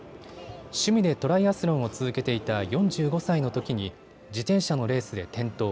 趣味でトライアスロンを続けていた４５歳のときに自転車のレースで転倒。